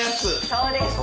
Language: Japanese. そうです！